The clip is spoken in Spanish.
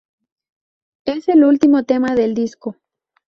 Es el último tema del disco.